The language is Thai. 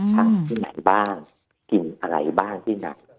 ผักที่ไหนบ้างกินอะไรบ้างที่ไหน